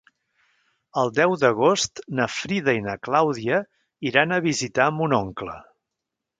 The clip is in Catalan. El deu d'agost na Frida i na Clàudia iran a visitar mon oncle.